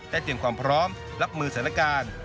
ได้เตรียมความพร้อมรับมือศาลการ